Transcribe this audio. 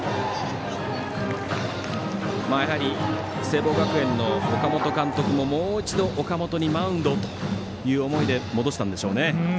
やはり聖望学園の岡本監督ももう一度岡部にマウンドということで戻したんでしょうね。